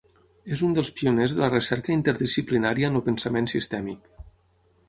És un dels pioners de la recerca interdisciplinària en el pensament sistèmic.